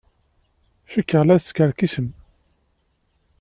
Cikkeɣ la teskerkisem.